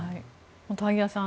萩谷さん